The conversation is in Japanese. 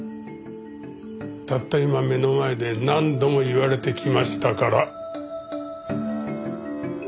たった今目の前で何度も言われてきましたから。